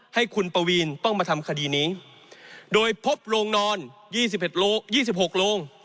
ให้คุณปวีนต้องมาทำคดีนี้โดยพบโรงนอน๒๑๒๖โรง